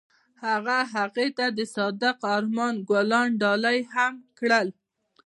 هغه هغې ته د صادق آرمان ګلان ډالۍ هم کړل.